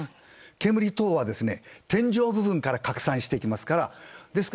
煙は天井部分から拡散していきますから。